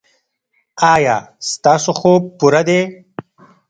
ایا ستاسو خوب پوره دی؟